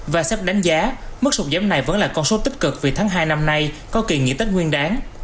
và sắp đánh giá mức sụt giảm này vẫn là con số tích cực vì tháng hai năm nay có kỳ nghỉ tết nguyên đáng